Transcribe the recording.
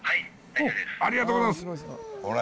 ありがとうございます。